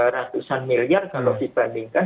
ratusan miliar kalau dibandingkan